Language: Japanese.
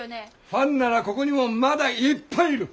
ファンならここにもまだいっぱいいる！